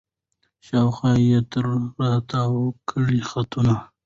شاوخوا یې ترې را تاوکړله خطونه